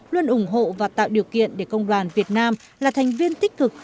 luôn ủng hộ và tạo điều kiện để công đoàn việt nam là thành viên tích cực